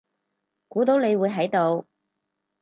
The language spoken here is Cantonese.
估到你會喺度